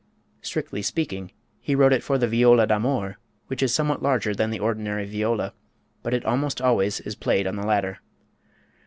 Strictly speaking, he wrote it for the viola d'amour, which is somewhat larger than the ordinary viola; but it almost always is played on the latter.